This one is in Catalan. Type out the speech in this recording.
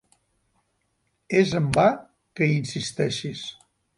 És en va que hi insisteixis.